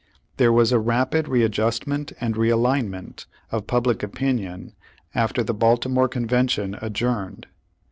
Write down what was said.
There was a rapid readjustment and realign ment of public opinion after the Baltimore Con vention adjourned.